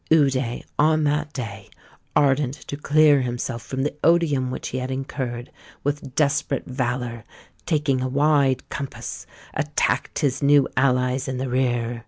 Eude on that day, ardent to clear himself from the odium which he had incurred, with desperate valour, taking a wide compass, attacked his new allies in the rear.